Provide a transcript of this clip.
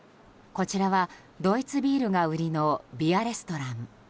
こちらはドイツビールが売りのビアレストラン。